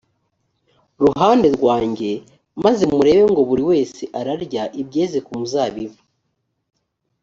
ruhande rwanjye maze murebe ngo buri wese ararya ibyeze ku muzabibu